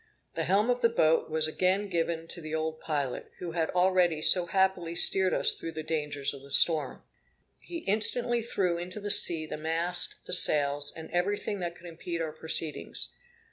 The helm of the boat was again given to the old pilot, who had already so happily steered us through the dangers of the storm. He instantly threw into the sea the mast, the sails, and everything that could impede our proceedings.